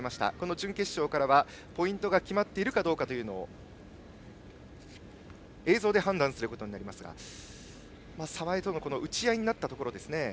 準決勝からはポイントが決まっているかどうかを映像で判断することになりますが澤江との打ち合いになったところですね。